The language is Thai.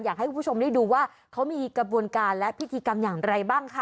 อยากให้คุณผู้ชมได้ดูว่าเขามีกระบวนการและพิธีกรรมอย่างไรบ้างค่ะ